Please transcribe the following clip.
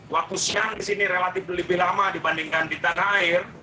waktu siang di sini relatif lebih lama dibandingkan di tanah air